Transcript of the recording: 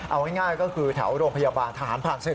เอาง่ายก็คือแถวโรงพยาบาลทหารผ่านศึก